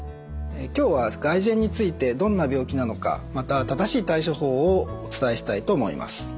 今日は外耳炎についてどんな病気なのかまた正しい対処法をお伝えしたいと思います。